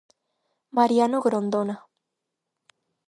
Mariano Grondona